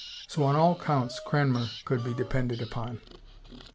So on all counts Cranmer could be depended upon.